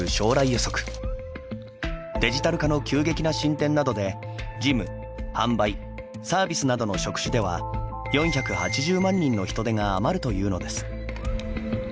デジタル化の急激な進展などで事務販売サービスなどの職種では４８０万人の人手が余るというのです。